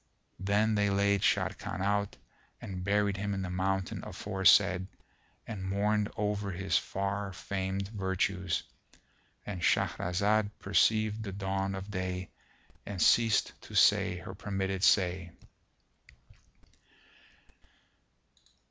Then they laid Sharrkan out and buried him in the mountain aforesaid and mourned over his far famed virtues.—And Shahrazad perceived the dawn of day and ceased to say her permitted say.